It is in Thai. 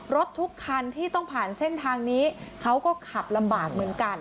รถทุกคันที่ต้องผ่านเส้นทางนี้เขาก็ขับลำบากเหมือนกัน